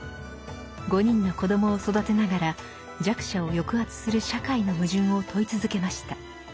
５人の子どもを育てながら弱者を抑圧する社会の矛盾を問い続けました。